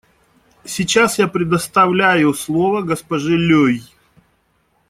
Сейчас я предоставляю слово госпоже Лёй.